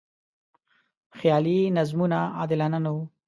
خیالي نظمونه عادلانه نه و.